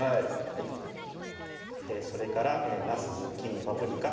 はいそれからなす・ズッキーニ・パプリカ